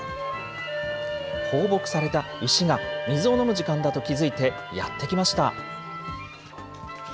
放牧された牛が水を飲む時間だと気付いてやって来ました。